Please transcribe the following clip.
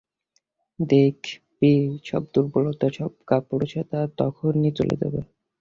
দেখবি সব দুর্বলতা, সব কাপুরুষতা তখনই চলে যাবে।